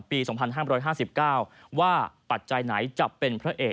ปี๒๕๕๙ว่าปัจจัยไหนจะเป็นพระเอก